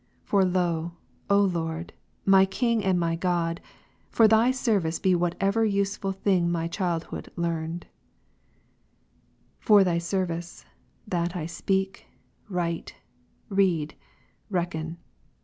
For, lo, O Lord, my King and my God, for Thy service be whatever useful thing my childhood learned ; for Thy service, that I speak — write — read — reckon.